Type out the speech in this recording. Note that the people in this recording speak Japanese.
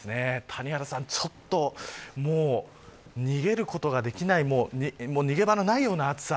谷原さん、ちょっと逃げることができない逃げ場のないような暑さ